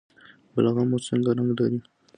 بلغم مو څه رنګ لري؟